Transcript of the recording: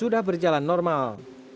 sudah berjalan normal